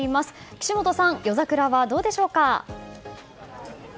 岸本さん、夜桜はどうでしょうか。